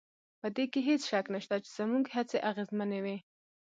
په دې کې هېڅ شک نشته چې زموږ هڅې اغېزمنې وې